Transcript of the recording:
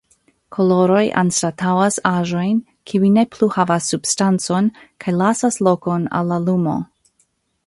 Koloroj anstataŭas aĵojn, kiuj ne plu havas substancon kaj lasas lokon al la lumo.